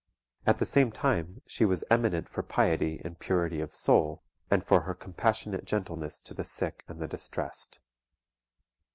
At the same time she was eminent for piety and purity of soul, and for her compassionate gentleness to the sick and the distressed.